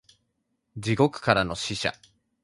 地獄からの使者